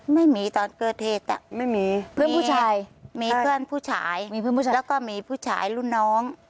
ไม่มีตอนเกิดเหตุไม่มีเพื่อนผู้ชายมีเพื่อนผู้ชายแล้วก็มีผู้ชายรุ่นน้อง